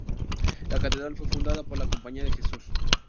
La catedral fue fundada por la Compañía de Jesús.